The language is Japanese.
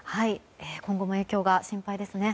今後も影響が心配ですね。